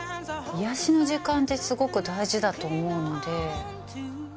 癒やしの時間ってすごく大事だと思うので。